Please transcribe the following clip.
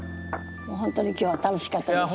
本当に今日は楽しかったです。